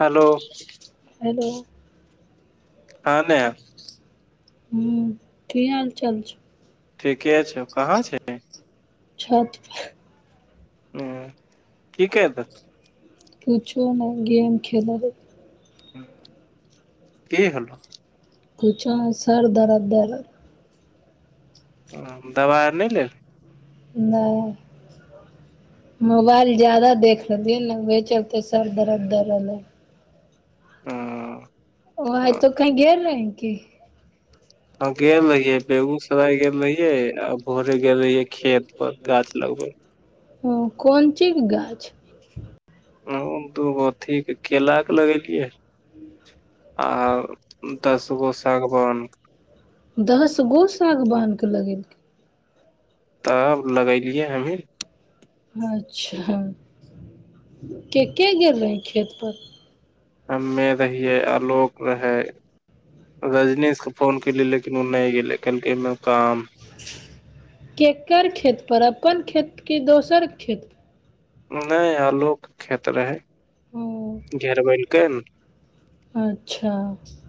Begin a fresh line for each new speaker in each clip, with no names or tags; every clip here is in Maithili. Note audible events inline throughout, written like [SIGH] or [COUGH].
हेलो
हेलो
हँ ने
ह की हाल चाल छै
ठीके छउ कहाँ छिन
छतपर
ह ठीके तऽ
किुछु नहि गेम खेलय
की होलो
किछु सर दरद दरद
दबाइ आर नहि लेल
नहि मोबाइल ज्यदा देख लेलियै ने उह चलते सर दरद दर रहलै
हँ अ
ओइ तो कई गेल रहैं की
[UNINTELLIGIBLE] ह गेल रहियै बेगूसराय गेल रहियै आ भोरे गेल रहियै खेत पर गाछ लगबे
ओ कोन चीज गाछ
दूगो अथी केलाक के लगेलियए आ दसगो सागवान
दस गो सागबान्ह के लगेलक
तब लगेलियै हमही
अच्छा के के गेल रहे खेत पर
हमे रहियै आलोक रहै रजनीश के फोन कली लेकिन ओ नहि गेले कलक काम
केकर खेत पर अपन खेत क दोसर खेत
नहि आलू खेत रहै
पर? ओ
घेरबेलकै ने
अच्छा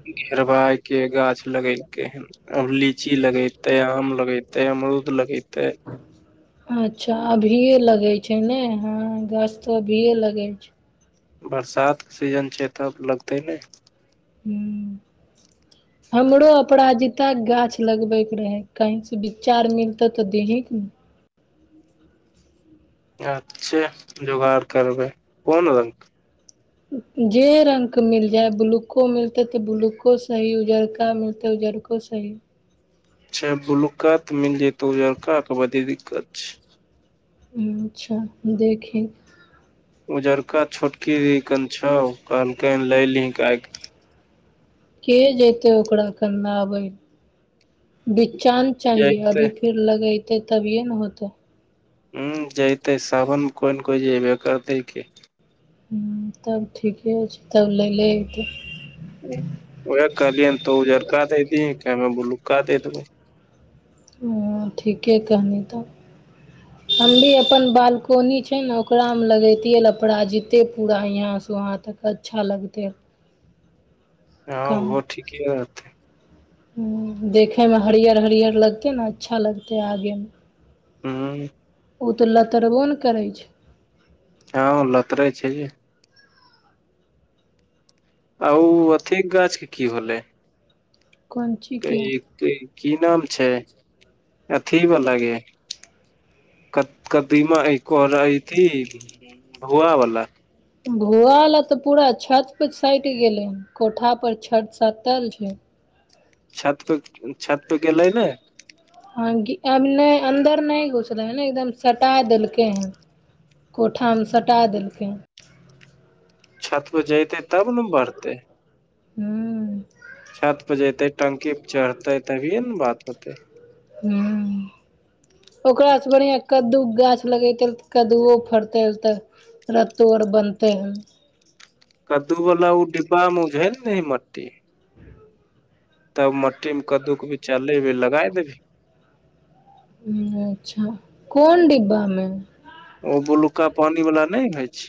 घेरबाय के गाछ लगेलकै हन आब लीची लगेते आम लगेते अमरूद लगेते
अच्छा अभिये लगे छै ने हाँ गाछ तो अभिये लगे छै
बरसात के सीजन छै तब लगतै ने
हुँ हमरो अपराजिता के गाछ लगबैके रहे कहीं सँ विचा मिलतऽ तऽ देही
अच्छा जोगाड़ करबै कोन रंग
जे रंग के मिल जाय ब्लूको मिलते ते ब्लूको सही उजरका मिलते उजरका ओ सही
छै बुलुका तऽ मिल जेतो ओ उजरका के की दिक्कत छै
हुँ अच्छा देखे
उजरका छोटकी दिदी कन छौ कहलकनि लय लि आय कऽ
के जेतै ओकरा कनावै ला बिचान चाहिए
जैते
अभी फिर लगेते तबिये ने होते
हम जेतै सावन कोई ने कोई जैसे करतै की
हुँ तब ठीके छै तब लै ले अयतै
ओह कहलिय तो उजरका दे दीहे हम बुलूका दे दबय
ह ठीके कहनी तब
ह [INAUDIBLE]
हम भी अपन बालकोनी छै ने ओकरा मे लगैतियै अपराजिता पूरा यहाँ से वहाँ तक अच्छा लगतै
हाँ ओहो ठीके रहतै
हम देखे में हरियर हरियर लगते ने अच्छा लगते आगे में
हूँ हूँ
ओ तऽ लतरबो ने करै छै
हँ लतरे छै आ ओ अथीक गाछ के की होलै
कोन ची
कै कै की नाम छै अथी बला यै कद कदीमा अही कोहरा भुआ बाला
भोआ ल तऽ पूरा छत परे सटि गेलै कोठा पर छत सटल छै
छत छत पर गेलै नै
हँ अब नहि अन्दर नहि घुसले है ने एकदम सटा देलकै हैन कोठा में सटा देलकै
छत पर जयतेै तब नै बढ़तेै छत पे जयते टंकी पे
हु
चढ़ते तभिये ने बात होते
हुँ ओकरा सँ बढ़िआँ कद्दू के गाछ लगैतै तऽ कद्दूओ फड़तै तऽ रत्तो आओर बनते हैं
कदू बाला ओ डिब्बा में उझैल नहि मट्टी तब मट्टी मे कद्दू क विचा लेबे लगाय देबी
अच्छा कोन डिब्बा में
ओ बुलुक्का पानि वाला नहि होइ छै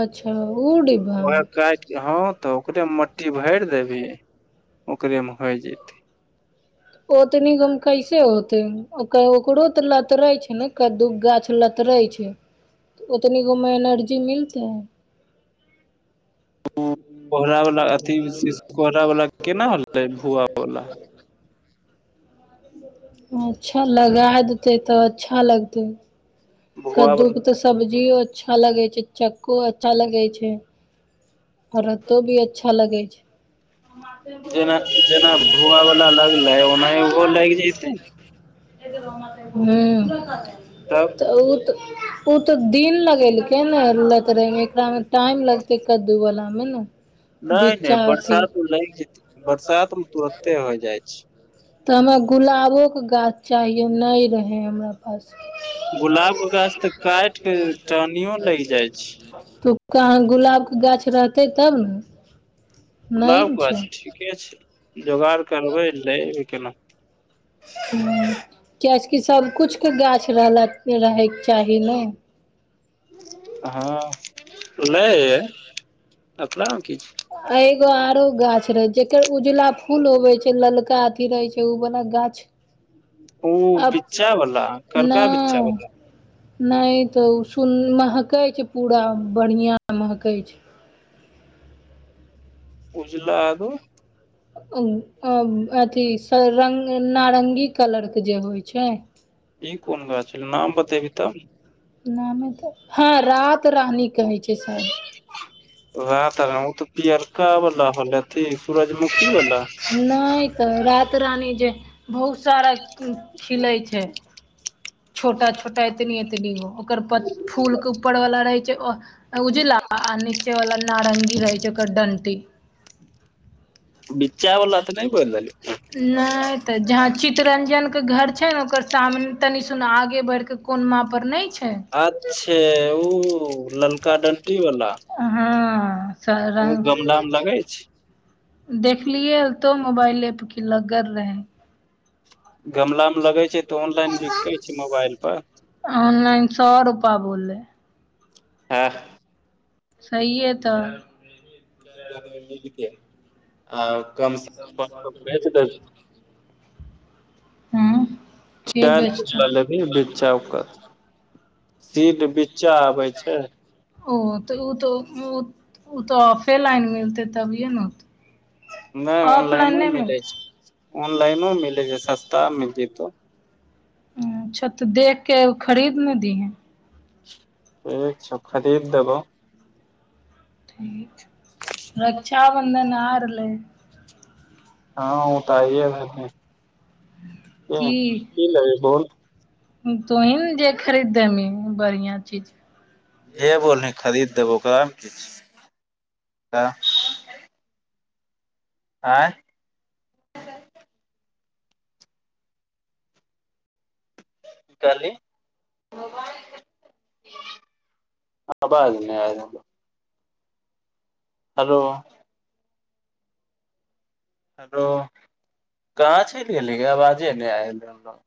अच्छा उ डिब्बा
ओकरा
मे
काट ह तऽ ओकरे मट्टी भरि देबही ओकरे में होई जेतै
ओतनि गो में कैसे होतै ओकरो ते लतरै छै ने कदु गाछ लतरै छै ओतनी गोमे एनर्जी मिलतै
कोहरा बला अथी शि कोहरा बाला केना होलै भुआ वाला
अच्छा लगाय देतै तऽ अच्छा लगतै
भुआ
कद्दू के
वाला
तऽ सब्जियो अच्छा लगै छै चक्को अच्छा लगै छै रतो भी अच्छा लगै छै
जेना जेना भुआवला लागलै ओना उहो लागि जेतै
ह
तब
तऽ ओ तऽ ओ तऽ दिन लगेलकै ने लतड़े मे एकरा मे टाइम लगते कद्दू वला मे ने
नाय नाय
बिच्चा अथी
बरसात लागि जेते बरसात में तुरते हो जाय छै
तऽ हमरा गुलाबो के गाछ चाहिए नहि रहे हमरा
गुलाब के गाछ तऽ काटि के टहनियो लागि जाइ छै
[UNINTELLIGIBLE] ठीक कहाँ गुलाबके गाछ रहतै तब ने नहि
गुलाब
ने छै
गाछ ठीके छै जोगाड़ करबै लै अबै केना
ह कियाकि कि सबकिछुके गाछ रहल रहयके चाही न
हँ लै अपनामे की
आ एगो आरो गाछ रहे जेकर उजला फूल होवे छै ललका अथी रहे छै बाला गाछ
ओ
अब
बिच्चा बला कलका बिच्चा
नहि
बला
नहि तऽ ओ सुन महकै छै पूरा बढ़िआँ महकै छै
उजला आरु
अ अथी सँ नारंगी कलरके जे होय छै
ई कोन गाछ नाम बतेबही तब
नामे त हँ रात रानी कहै छै शायद
रात ओ तऽ पियरका वाला होलेथी सूरजमुखी वाला
नहि तऽ रात रानी जे बहुत सारा खिलै छै छोटा छोटा एतनी एतनी ओकर प फूल के ऊपरवला रहै छै अह उजला आ नीचे वाला नारंगी रहै छै ओकर डंटी
बिच्चा बाला त न बोल रहलि
नहि तऽ जहाँ चितरंजन के घर छै ने ओकर सामने तनि आगे बढ़िक कोनमा पर नहि छौ
अच्छे ओ ललका डंटी वाला
हँ
ओ
र
गमला मे लगै छै
देखलियै ह तो मोबाइल एपके लगड़ रहे
गमला मे लगे छै तऽ ऑनलाइन बिकै छै मोबाइल पर
ऑनलाइन स रुपा बोललै
हँ
सहीए तऽ
[UNINTELLIGIBLE] आ कम सेच बेच देबहीं
हँ के
शर को
बेचतै
बिच्चा ओकर सीड बिच्चा आबै छै
ओ तऽ ओ तऽ ओ तऽ ऑफे लाइन मिलते तबिये ने होते
नहि ऑनलाइनो मिलै
मिलतै
छै ऑनलाइनो मिलै छै सस्ता मिल जेतौ
अच्छा तऽ देख के खरीद ने दीहें
ठीक छौ खरीद देबौ
रक्षाबंधन आ रहलै
हँ ओ त आइए रहलखिन ह की लेबही बोल
तू ही ने जे खरीद देमी बढ़िआ चीज
जे बोलली खरीद देबौ कह आँय की कहलि [UNINTELLIGIBLE] आबाज नहि आ रहलो हेलो हेलो कहाँ चलि गेलीे आवाजे नहि आयले हमरा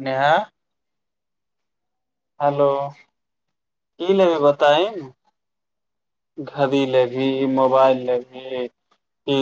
नेहा हेलो की लेबै बताहिन घड़ी लेबही मोबाइल लेबही की